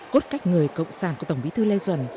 cốt cách người cộng sản của tổng bí thư lê duẩn